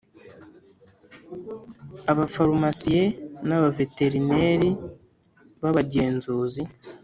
Abafarumasiye n abaveterineri b abagenzuzi